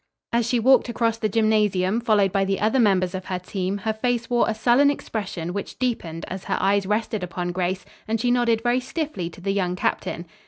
As she walked across the gymnasium followed by the other members of the team, her face wore a sullen expression which deepened as her eyes rested upon Grace, and she nodded very stiffly to the young captain.